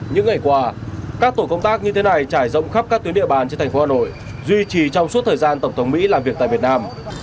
những ngày qua các tổ công tác như thế này trải rộng khắp các tuyến địa bàn trên thành phố hà nội duy trì trong suốt thời gian tổng thống mỹ làm việc tại việt nam